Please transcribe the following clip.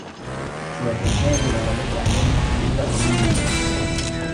Sus estaciones llevan la letra N seguida por un número.